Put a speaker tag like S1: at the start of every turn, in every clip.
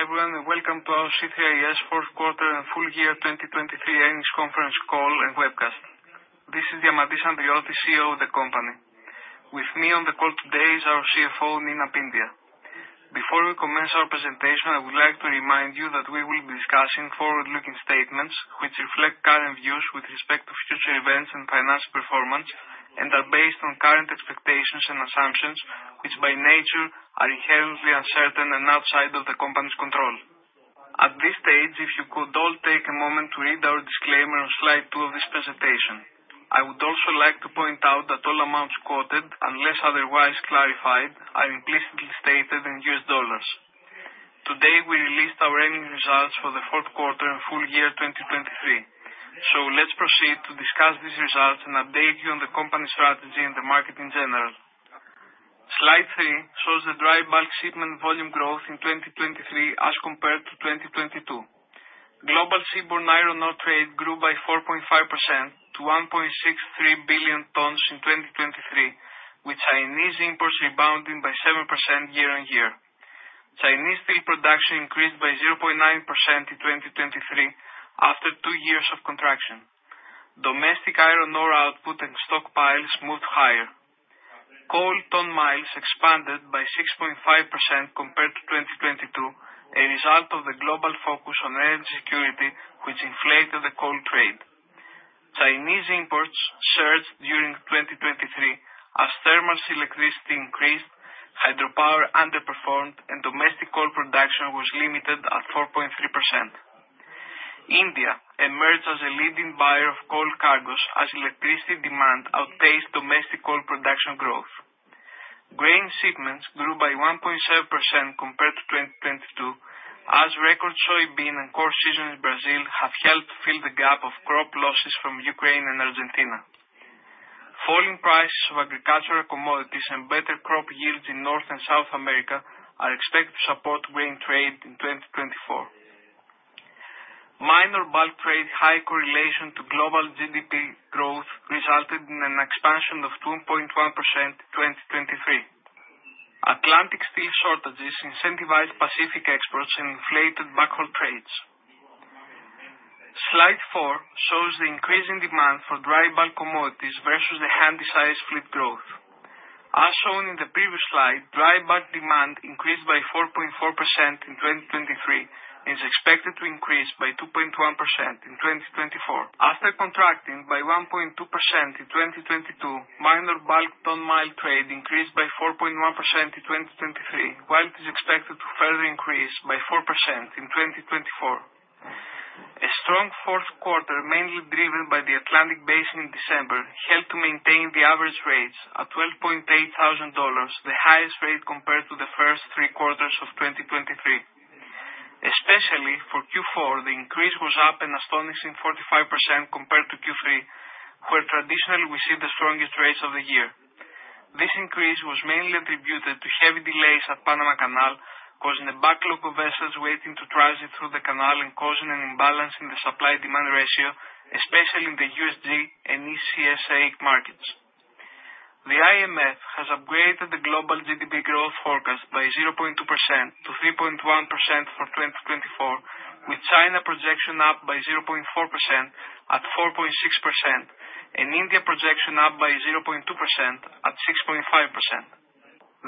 S1: Good morning everyone and welcome to our C3is fourth quarter and full year 2023 earnings conference call and webcast. This is Diamantis Andriotis, CEO of the company. With me on the call today is our CFO, Nina Pyndiah. Before we commence our presentation, I would like to remind you that we will be discussing forward-looking statements which reflect current views with respect to future events and financial performance, and are based on current expectations and assumptions which, by nature, are inherently uncertain and outside of the company's control. At this stage, if you could all take a moment to read our disclaimer on slide two of this presentation, I would also like to point out that all amounts quoted, unless otherwise clarified, are implicitly stated in U.S. dollars. Today we released our earnings results for the fourth quarter and full year 2023, so let's proceed to discuss these results and update you on the company's strategy and the market in general. Slide three shows the dry bulk shipment volume growth in 2023 as compared to 2022. Global seaborne iron ore trade grew by 4.5% to 1.63 billion tons in 2023, with Chinese imports rebounding by 7% year-on-year. Chinese steel production increased by 0.9% in 2023 after two years of contraction. Domestic iron ore output and stockpiles moved higher. Coal ton miles expanded by 6.5% compared to 2022, a result of the global focus on energy security which inflated the coal trade. Chinese imports surged during 2023 as thermal electricity increased, hydropower underperformed, and domestic coal production was limited at 4.3%. India emerged as a leading buyer of coal cargoes as electricity demand outpaced domestic coal production growth. Grain shipments grew by 1.7% compared to 2022, as record soybean and corn season in Brazil have helped fill the gap of crop losses from Ukraine and Argentina. Falling prices of agricultural commodities and better crop yields in North and South America are expected to support grain trade in 2024. Minor bulk trade high correlation to global GDP growth resulted in an expansion of 2.1% in 2023. Atlantic steel shortages incentivized Pacific exports and inflated backhaul trades. Slide four shows the increasing demand for dry bulk commodities versus the Handysize fleet growth. As shown in the previous slide, dry bulk demand increased by 4.4% in 2023 and is expected to increase by 2.1% in 2024. After contracting by 1.2% in 2022, minor bulk ton mile trade increased by 4.1% in 2023, while it is expected to further increase by 4% in 2024. A strong fourth quarter, mainly driven by the Atlantic basin in December, helped to maintain the average rates at $12,800, the highest rate compared to the first three quarters of 2023. Especially for Q4, the increase was up an astonishing 45% compared to Q3, where traditionally we see the strongest rates of the year. This increase was mainly attributed to heavy delays at Panama Canal, causing a backlog of vessels waiting to transit through the canal and causing an imbalance in the supply-demand ratio, especially in the USG and ECSA markets. The IMF has upgraded the global GDP growth forecast by 0.2% to 3.1% for 2024, with China projection up by 0.4% at 4.6% and India projection up by 0.2% at 6.5%.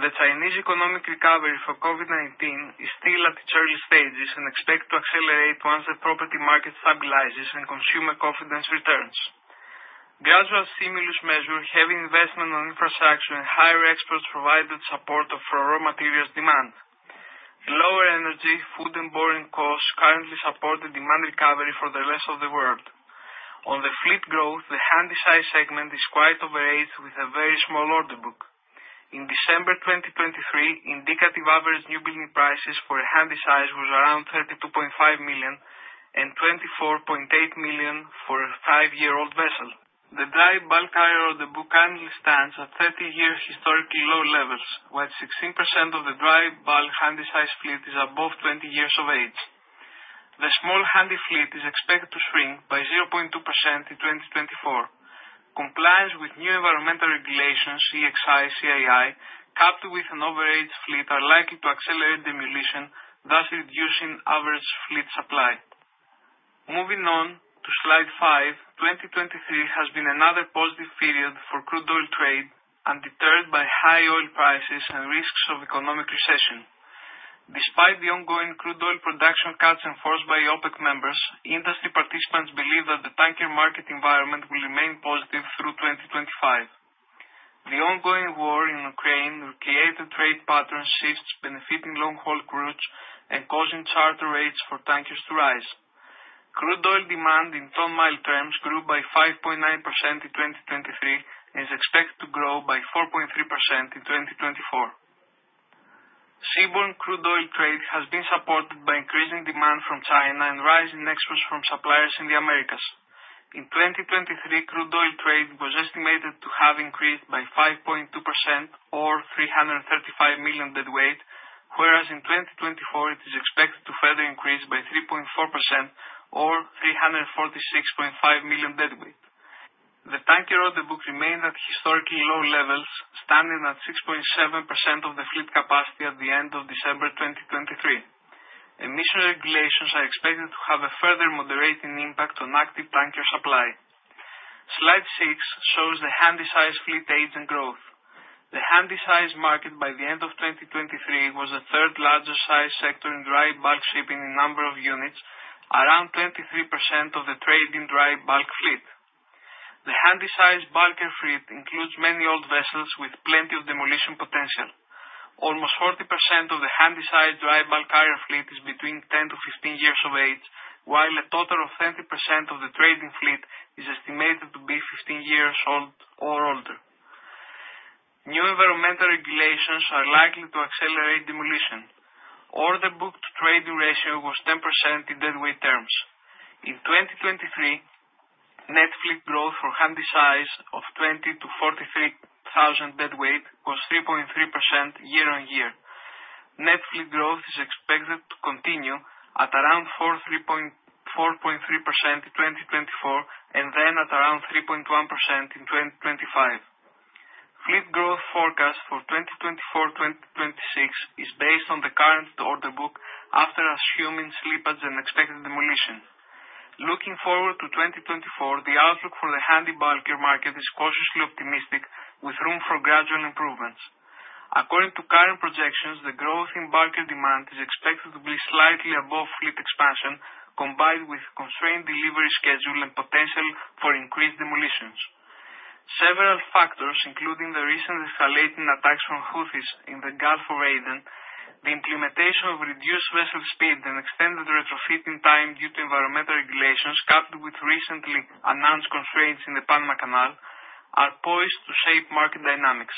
S1: The Chinese economic recovery from COVID-19 is still at its early stages and expected to accelerate once the property market stabilizes and consumer confidence returns. Gradual stimulus measures, heavy investment on infrastructure, and higher exports provided support for raw materials demand. Lower energy, food, and housing costs currently support the demand recovery for the rest of the world. On the fleet growth, the Handysize segment is quite overaged with a very small order book. In December 2023, indicative average new building prices for a Handysize was around $32.5 million and $24.8 million for a five-year-old vessel. The dry bulk order book currently stands at 30-year historically low levels, while 16% of the dry bulk Handysize fleet is above 20 years of age. The small handy fleet is expected to shrink by 0.2% in 2024. Compliance with new environmental regulations, EEXI/CII, capped with an overaged fleet are likely to accelerate demolition, thus reducing average fleet supply. Moving on to slide five, 2023 has been another positive period for crude oil trade, undeterred by high oil prices and risks of economic recession. Despite the ongoing crude oil production cuts enforced by OPEC members, industry participants believe that the tanker market environment will remain positive through 2025. The ongoing war in Ukraine recreated trade pattern shifts, benefiting long-haul crudes and causing charter rates for tankers to rise. Crude oil demand in ton-mile terms grew by 5.9% in 2023 and is expected to grow by 4.3% in 2024. Seaborne crude oil trade has been supported by increasing demand from China and rising exports from suppliers in the Americas. In 2023, crude oil trade was estimated to have increased by 5.2% or 335 million deadweight, whereas in 2024 it is expected to further increase by 3.4% or 346.5 million deadweight. The tanker order book remained at historically low levels, standing at 6.7% of the fleet capacity at the end of December 2023. Emission regulations are expected to have a further moderating impact on active tanker supply. Slide six shows the Handysize fleet age and growth. The Handysize market by the end of 2023 was the third-largest size sector in dry bulk shipping in number of units, around 23% of the trading dry bulk fleet. The Handysize bulker fleet includes many old vessels with plenty of demolition potential. Almost 40% of the Handysize dry bulk iron fleet is between 10-15 years of age, while a total of 30% of the trading fleet is estimated to be 15 years old or older. New environmental regulations are likely to accelerate demolition. Order book to trading ratio was 10% in deadweight terms. In 2023, net fleet growth for Handysize of 20,000-43,000 deadweight was 3.3% year-on-year. Net fleet growth is expected to continue at around 4.3% in 2024 and then at around 3.1% in 2025. Fleet growth forecast for 2024-2026 is based on the current order book after assuming slippage and expected demolition. Looking forward to 2024, the outlook for the handy bulker market is cautiously optimistic, with room for gradual improvements. According to current projections, the growth in bulker demand is expected to be slightly above fleet expansion, combined with constrained delivery schedule and potential for increased demolitions. Several factors, including the recent escalating attacks from Houthis in the Gulf of Aden, the implementation of reduced vessel speed, and extended retrofit in time due to environmental regulations coupled with recently announced constraints in the Panama Canal, are poised to shape market dynamics.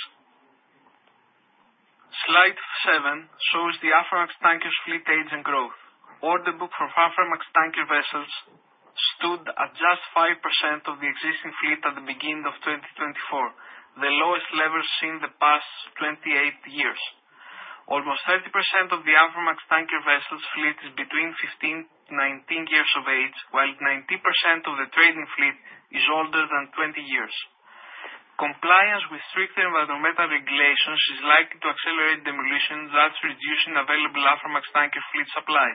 S1: Slide seven shows the Aframax tanker's fleet age and growth. Order book from Aframax tanker vessels stood at just 5% of the existing fleet at the beginning of 2024, the lowest level seen in the past 28 years. Almost 30% of the Aframax tanker vessels' fleet is between 15-19 years of age, while 90% of the trading fleet is older than 20 years. Compliance with stricter environmental regulations is likely to accelerate demolition, thus reducing available Aframax tanker fleet supply.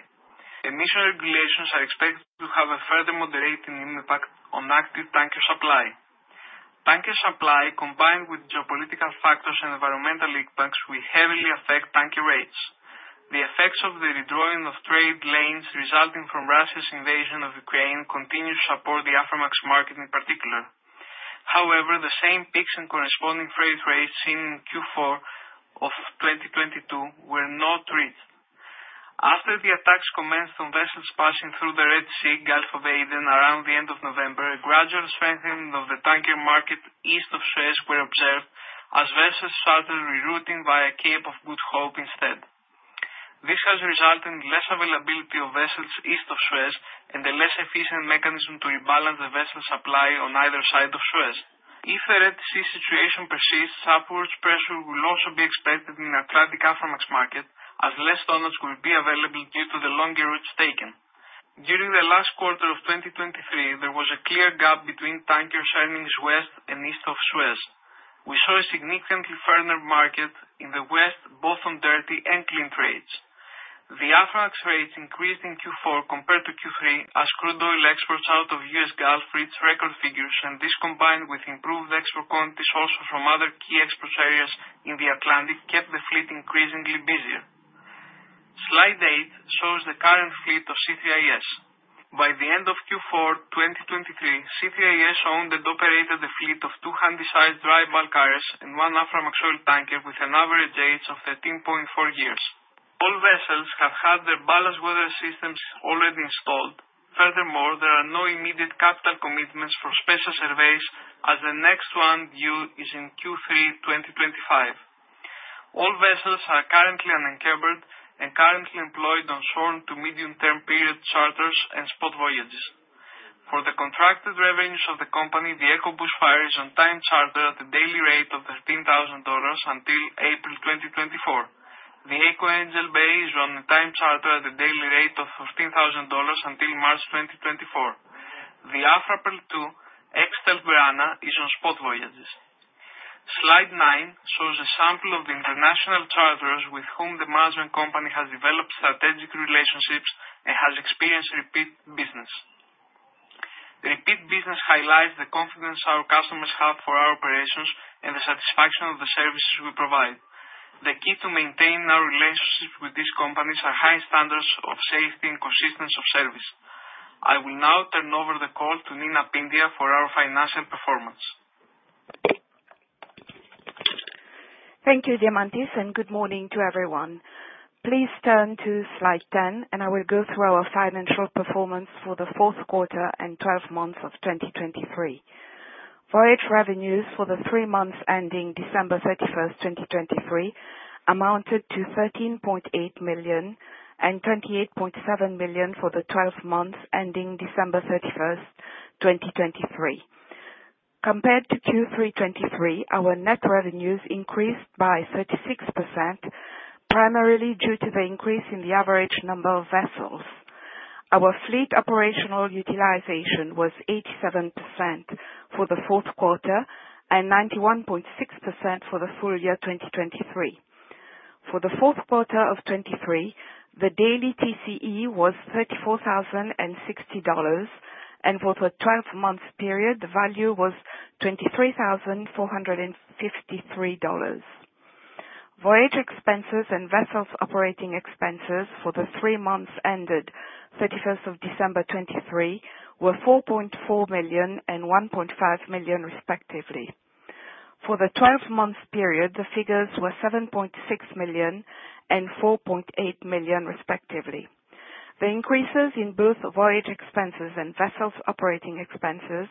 S1: Emission regulations are expected to have a further moderating impact on active tanker supply. Tanker supply, combined with geopolitical factors and environmental impacts, will heavily affect tanker rates. The effects of the redrawing of trade lanes resulting from Russia's invasion of Ukraine continue to support the Aframax market in particular. However, the same peaks in corresponding freight rates seen in Q4 of 2022 were not reached. After the attacks commenced on vessels passing through the Red Sea and Gulf of Aden around the end of November, a gradual strengthening of the tanker market East of Suez was observed, as vessels started rerouting via Cape of Good Hope instead. This has resulted in less availability of vessels east of Suez and a less efficient mechanism to rebalance the vessel supply on either side of Suez. If the Red Sea situation persists, upwards pressure will also be expected in the Atlantic Aframax market, as less tonnage will be available due to the longer routes taken. During the last quarter of 2023, there was a clear gap between tankers earnings west and east of Suez. We saw a significantly firmer market in the west, both on dirty and clean trades. The Aframax rates increased in Q4 compared to Q3, as crude oil exports out of U.S. Gulf reached record figures, and this combined with improved export quantities also from other key export areas in the Atlantic kept the fleet increasingly busier. Slide eight shows the current fleet of C3is. By the end of Q4 2023, C3is owned and operated a fleet of two Handysize drybulk carriers and one Aframax oil tanker with an average age of 13.4 years. All vessels have had their ballast water systems already installed. Furthermore, there are no immediate capital commitments for special surveys, as the next one due is in Q3 2025. All vessels are currently unencumbered and currently employed on short to medium-term period charters and spot voyages. For the contracted revenues of the company, the Eco Bushfire is on time charter at a daily rate of $13,000 until April 2024. The Eco Angelbay is on a time charter at a daily rate of $15,000 until March 2024. The Afrapearl II ex-Stealth Berana is on spot voyages. Slide nine shows a sample of the international charters with whom the management company has developed strategic relationships and has experienced repeat business. Repeat business highlights the confidence our customers have for our operations and the satisfaction of the services we provide. The key to maintaining our relationships with these companies are high standards of safety and consistency of service. I will now turn over the call to Nina Pyndiah for our financial performance.
S2: Thank you, Diamantis, and good morning to everyone. Please turn to slide 10, and I will go through our financial performance for the fourth quarter and 12 months of 2023. Voyage revenues for the three months ending December 31st, 2023, amounted to $13.8 million and $28.7 million for the 12 months ending December 31st, 2023. Compared to Q3 2023, our net revenues increased by 36%, primarily due to the increase in the average number of vessels. Our fleet operational utilization was 87% for the fourth quarter and 91.6% for the full year 2023. For the fourth quarter of 2023, the daily TCE was $34,060, and for the 12-month period, the value was $23,453. Voyage expenses and vessels operating expenses for the three months ended December 31, 2023 were $4.4 million and $1.5 million, respectively. For the 12-month period, the figures were $7.6 million and $4.8 million, respectively. The increases in both voyage expenses and vessels operating expenses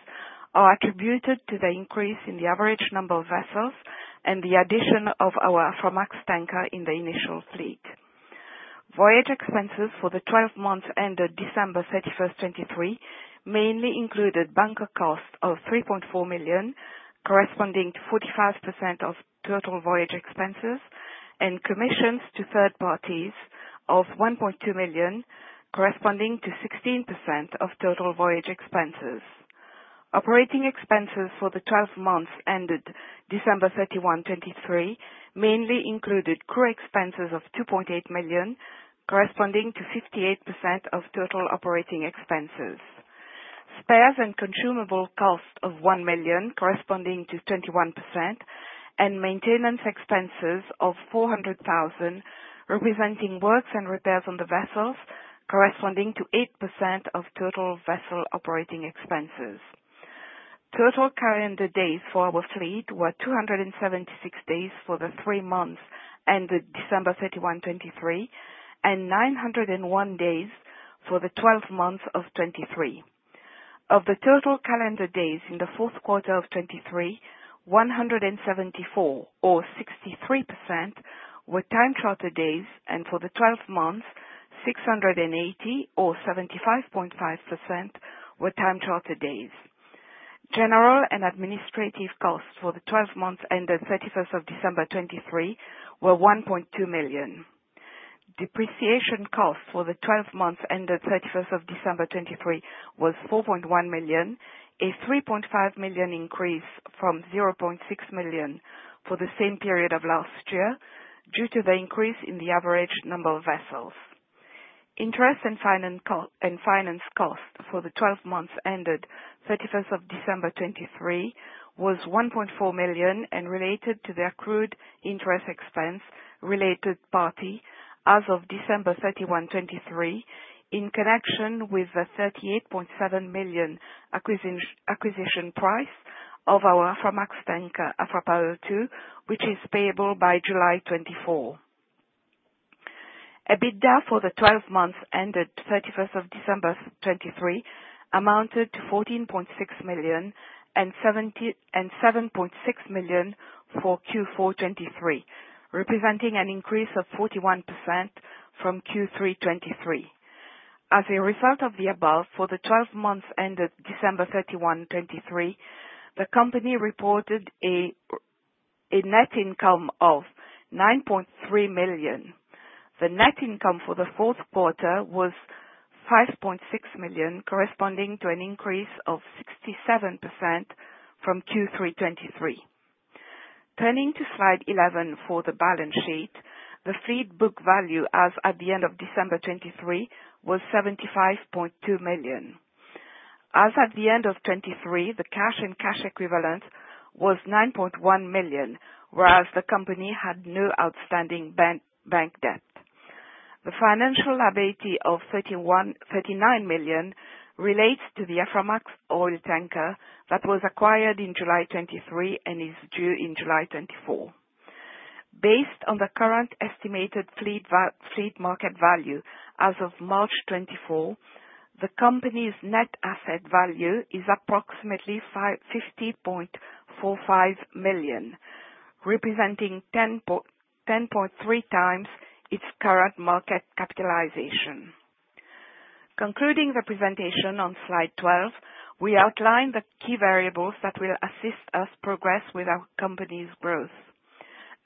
S2: are attributed to the increase in the average number of vessels and the addition of our Aframax tanker in the initial fleet. Voyage expenses for the 12 months ended December 31st, 2023, mainly included bunker cost of $3.4 million, corresponding to 45% of total voyage expenses, and commissions to third parties of $1.2 million, corresponding to 16% of total voyage expenses. Operating expenses for the 12 months ended December 31, 2023, mainly included crew expenses of $2.8 million, corresponding to 58% of total operating expenses. Spares and consumables cost of $1 million, corresponding to 21%, and maintenance expenses of $400,000, representing works and repairs on the vessels, corresponding to 8% of total vessel operating expenses. Total calendar days for our fleet were 276 days for the three months ended December 31, 2023, and 901 days for the 12 months of 2023. Of the total calendar days in the fourth quarter of 2023, 174, or 63%, were time charter days, and for the 12 months, 680, or 75.5%, were time charter days. General and administrative costs for the 12 months ended 31 December 2023 were $1.2 million. Depreciation costs for the 12 months ended 31st December 2023 was $4.1 million, a $3.5 million increase from $0.6 million for the same period of last year due to the increase in the average number of vessels. Interest and finance costs for the 12 months ended 31st December 2023 was $1.4 million and related to the accrued interest expense related party as of December 31, 2023, in connection with the $38.7 million acquisition price of our Aframax tanker Afrapearl II, which is payable by July 2024. EBITDA for the 12 months ended 31st December 2023 amounted to $14.6 million and $7.6 million for Q4 2023, representing an increase of 41% from Q3 2023. As a result of the above, for the 12 months ended December 31, 2023, the company reported a net income of $9.3 million. The net income for the fourth quarter was $5.6 million, corresponding to an increase of 67% from Q3 2023. Turning to slide 11 for the balance sheet, the fleet book value as at the end of December 2023 was $75.2 million. As at the end of 2023, the cash and cash equivalent was $9.1 million, whereas the company had no outstanding bank debt. The financial liability of $39 million relates to the Aframax oil tanker that was acquired in July 2023 and is due in July 2024. Based on the current estimated fleet market value as of March 2024, the company's net asset value is approximately $50.45 million, representing 10.3x its current market capitalization. Concluding the presentation on slide 12, we outline the key variables that will assist us progress with our company's growth.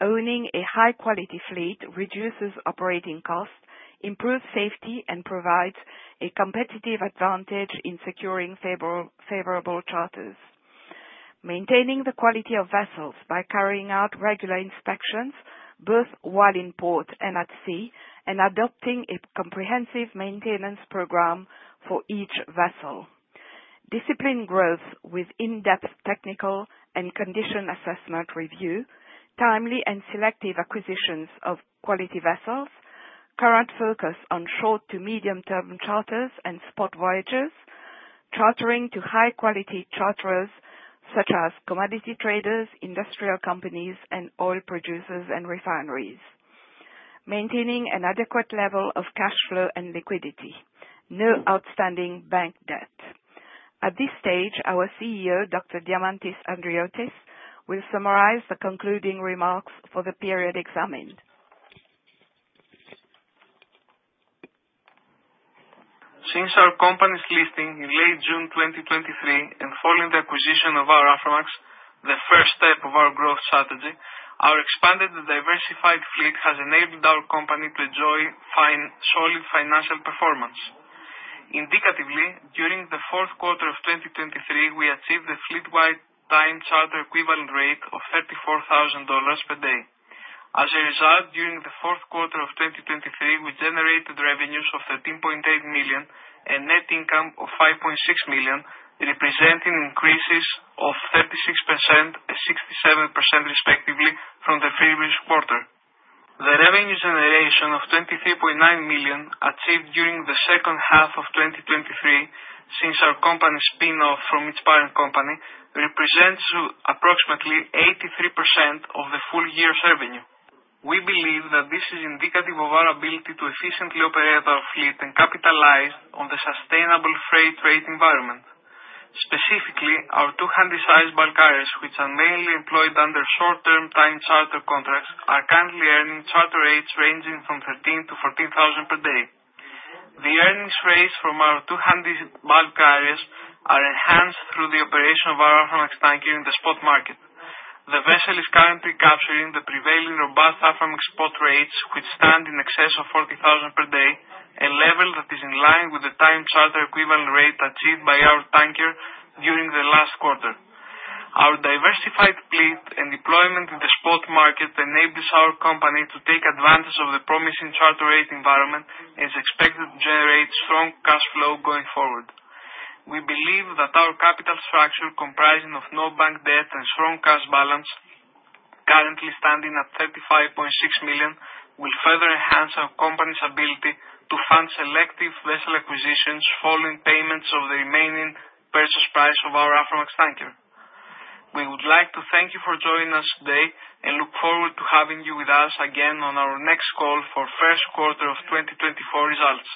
S2: Owning a high-quality fleet reduces operating costs, improves safety, and provides a competitive advantage in securing favorable charters. Maintaining the quality of vessels by carrying out regular inspections, both while in port and at sea, and adopting a comprehensive maintenance program for each vessel. Disciplined growth with in-depth technical and condition assessment review, timely and selective acquisitions of quality vessels, current focus on short- to medium-term charters and spot voyages, chartering to high-quality charterers such as commodity traders, industrial companies, and oil producers and refineries. Maintaining an adequate level of cash flow and liquidity. No outstanding bank debt. At this stage, our CEO, Dr. Diamantis Andriotis, will summarize the concluding remarks for the period examined.
S1: Since our company's listing in late June 2023 and following the acquisition of our Aframax, the first step of our growth strategy, our expanded and diversified fleet has enabled our company to enjoy solid financial performance. Indicatively, during the fourth quarter of 2023, we achieved a fleet-wide time charter equivalent rate of $34,000 per day. As a result, during the fourth quarter of 2023, we generated revenues of $13.8 million and net income of $5.6 million, representing increases of 36% and 67%, respectively, from the previous quarter. The revenue generation of $23.9 million achieved during the second half of 2023 since our company spin-off from its parent company represents approximately 83% of the full year's revenue. We believe that this is indicative of our ability to efficiently operate our fleet and capitalize on the sustainable freight rate environment. Specifically, our two Handysize bulk carriers, which are mainly employed under short-term time charter contracts, are currently earning charter rates ranging from $13,000-$14,000 per day. The earnings rates from our two Handysize bulk carriers are enhanced through the operation of our Aframax tanker in the spot market. The vessel is currently capturing the prevailing robust Aframax spot rates, which stand in excess of $40,000 per day, a level that is in line with the time charter equivalent rate achieved by our tanker during the last quarter. Our diversified fleet and deployment in the spot market enables our company to take advantage of the promising charter rate environment and is expected to generate strong cash flow going forward. We believe that our capital structure, comprising no bank debt and strong cash balance, currently standing at $35.6 million, will further enhance our company's ability to fund selective vessel acquisitions following payments of the remaining purchase price of our Aframax tanker. We would like to thank you for joining us today and look forward to having you with us again on our next call for the first quarter of 2024 results.